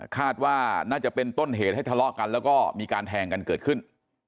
คาดว่าน่าจะเป็นต้นเหตุให้ทะเลาะกันแล้วก็มีการแทงกันเกิดขึ้น